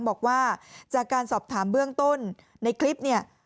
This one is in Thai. บอกว่าจากการสอบถามเบื้องต้นในคลิปเนี่ย